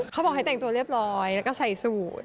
เขาบอกให้แต่งตัวเรียบร้อยแล้วก็ใส่สูตร